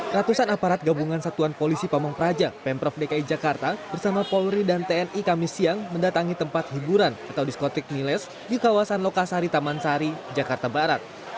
ratusan aparat gabungan satuan polisi pamung praja pemprov dki jakarta bersama polri dan tni kami siang mendatangi tempat hiburan atau diskotik miles di kawasan lokasari taman sari jakarta barat